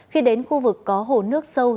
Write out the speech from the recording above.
khi đến khu vực có hồ nước sâu